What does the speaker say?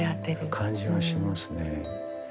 感じはしますね。